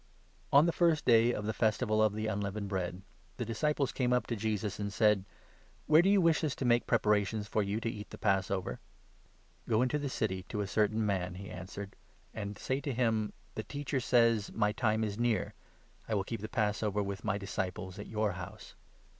The On the first day of the Festival of the Unleavened Passover. Bread, the disciples came up to Jesus, and said :" Where do you wish us to make preparations for you to eat the Passover ?" "Go into the city to a certain man," he answered, "and say to him ' The Teacher says — My time is'near. I will keep the Passover with my disciples at your house.'